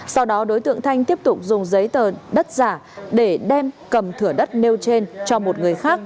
sau đó đối tượng thanh tiếp tục dùng giấy tờ đất giả để đem cầm thửa đất nêu trên cho một người khác